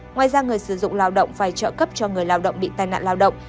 ngoài ra người sử dụng lao động phải trợ cấp cho người lao động bị tai nạn lao động